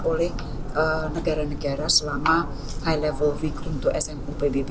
oleh negara negara selama high level week untuk smu pbb